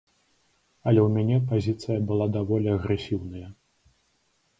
Але ў мяне пазіцыя была даволі агрэсіўная.